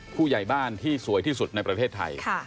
ผู้ใหญ่บ้านที่สวยที่สุดในประเทศไทย